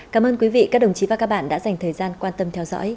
cảm ơn quý vị các đồng chí và các bạn đã dành thời gian quan tâm theo dõi